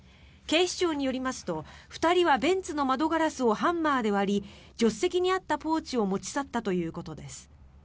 警視庁によりますと２人はベンツの窓ガラスをハンマーで割り助手席にあったポーチを持ち去ったということです。